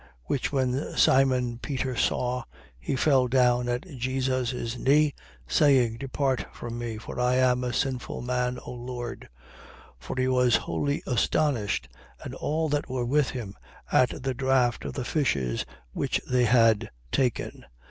5:8. Which when Simon Peter saw, he fell down at Jesus' knees, saying: Depart from me, for I am a sinful man, O Lord. 5:9. For he was wholly astonished, and all that were with him, at the draught of the fishes which they had taken.